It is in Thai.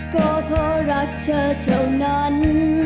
ก็เพราะรักเธอเท่านั้น